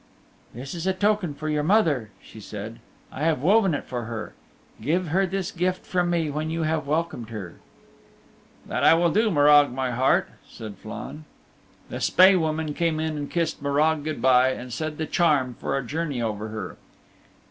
"This is a token for your mother," she said. "I have woven it for her. Give her this gift from me when you have welcomed her." "That I will do, Morag, my heart," said Flann. The Spae Woman came in and kissed Morag good by and said the charm for a journey over her.